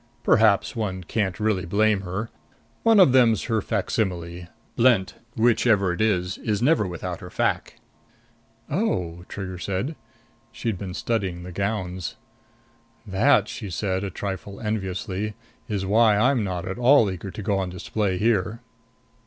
"Perhaps one can't really blame her. One of them's her facsimile. Blent whichever it is is never without her face." "Oh," Trigger said. She'd been studying the gowns. "That," she said, a trifle enviously, "is why I'm not at all eager to go on display here."